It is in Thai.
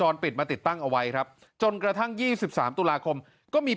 เราก็ทางนี้